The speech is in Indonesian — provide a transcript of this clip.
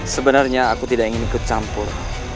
sebenarnya aku tidak ingin kucampur